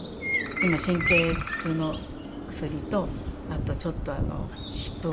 今神経痛の薬とあとちょっと湿布を。